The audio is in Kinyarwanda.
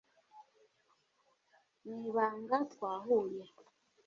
mu ibanga twahuye